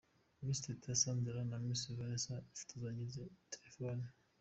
Miss Teta Sandra na Miss Vanessa bifotozanya izi telefone.